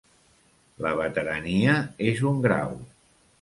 La veterania és un grau.